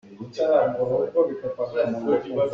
Lufah si ei na duh maw?